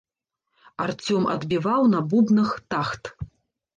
Арцём адбіваў на бубнах тахт.